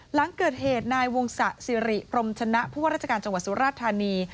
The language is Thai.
หลังเกิดเหตุนายวงศะสิริพรมชนะผู้ว่าราชการจังหวัดสุราธานี